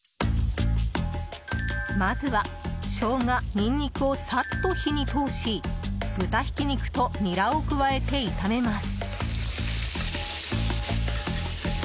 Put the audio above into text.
まずはショウガ、ニンニクをさっと火に通し豚ひき肉とニラを加えて炒めます。